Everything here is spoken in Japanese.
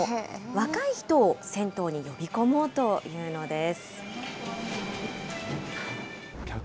若い人を銭湯に呼び込もうというのです。